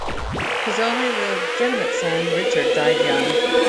His only legitimate son, Richard, died young.